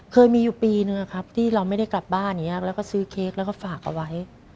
เคยมีอยู่ปีนึงครับที่เราไม่ได้กลับบ้านอย่างนี้แล้วก็ซื้อเค้กแล้วก็ฝากเอาไว้